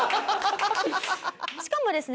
しかもですね